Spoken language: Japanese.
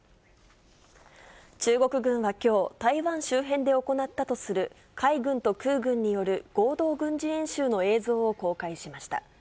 中国軍はきょう、台湾周辺で行ったとする、海軍と空軍による合同軍事演習の映像を公開しました。